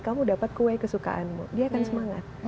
kamu dapat kue kesukaanmu dia akan semangat